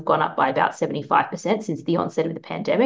rencana telah menaikkan sekitar tujuh puluh lima sejak pembentukan pandemi